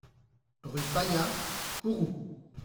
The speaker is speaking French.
Rue Paya, Kourou